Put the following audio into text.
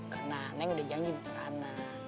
karena neng udah janji makan